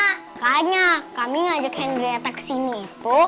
makanya kami ngajak hendrita kesini itu